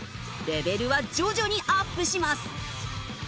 レベルは徐々にアップします。